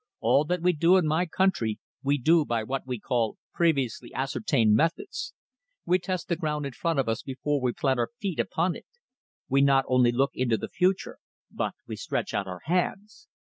All that we do in my country, we do by what we call previously ascertained methods. We test the ground in front of us before we plant our feet upon it. We not only look into the future, but we stretch out our hands.